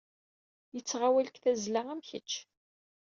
Yettɣawal deg tazzla am kecc.